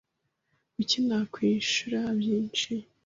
Kuki nakwishura byinshi?